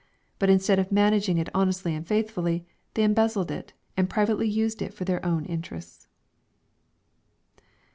Eut instead of managing it honestly and faithftilly, they embezzled it, and privately used it for their own interests.